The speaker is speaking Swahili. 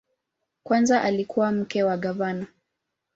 Kwanza alikuwa mke wa gavana.